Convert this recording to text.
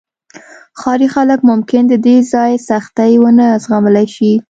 ښاري خلک ممکن د دې ځای سختۍ ونه زغملی شي